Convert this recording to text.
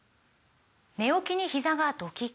寝起きにひざがドキッ！